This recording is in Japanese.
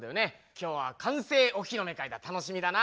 今日は完成お披露目会だ楽しみだな。